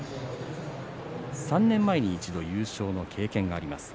３年前に一度優勝の経験があります。